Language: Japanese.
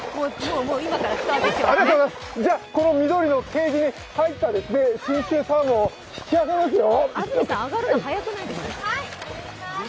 じゃあ、この緑のケージに入った信州サーモンを引き揚げますよ。